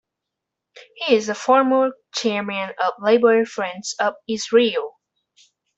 He is a former chairman of Labour Friends of Israel.